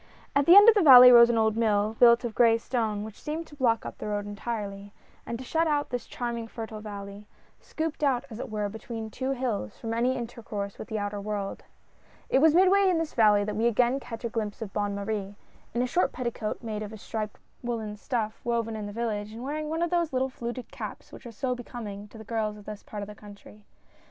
At the end of the valley rose an old mill, built of gray stone, which seemed to block up the road entirely, and to shut out this charming fertile valley — scooped GOING TO MARKET. 47 out, as it were, between two hills — from any inter course with the outer world. It was midway in this valley that we again catch a glimpse of Bonne Marie — in a short petticoat, made of a striped woolen stuff woven in the village, and wear ing one of those little fluted caps which are so becoming to the girls of this part of the country.